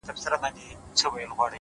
د ساعت دروند ټک د خاموشې کوټې فضا بدلوي.